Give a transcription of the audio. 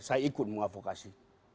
saya ikut mengavokasi